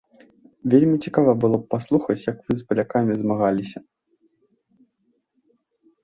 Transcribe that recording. Вельмі цікава было б паслухаць, як вы з палякамі змагаліся.